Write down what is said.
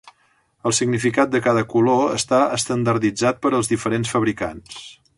El significat de cada color està estandarditzat per als diferents fabricants.